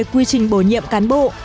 quy trình bổ nhiệm cán bộ